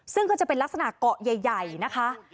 ซึ่งก็จะเป็นลักษณะเกาะใหญ่นะคะ